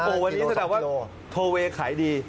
อันนี้แสดงว่าทอเวย์ขายดี